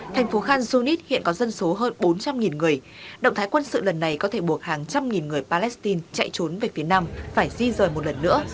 thành phố khan yunis hiện có dân số hơn bốn trăm linh người động thái quân sự lần này có thể buộc hàng trăm nghìn người palestine chạy trốn về phía nam phải di rời một lần nữa